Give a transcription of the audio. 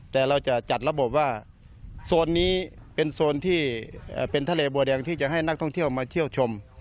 แต่เราจะจัดระบบว่าโซนนี้เป็นโซนที่เป็นทะเลบัวแดงที่จะให้นักท่องเที่ยวมาเที่ยวชม